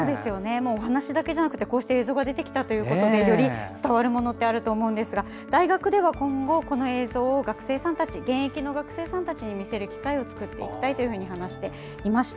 お話だけじゃなくてこうして映像が出てきたということでより伝わるものってあると思うんですが大学では今後この映像を現役の学生さんたちに見せる機会を作っていきたいと話していました。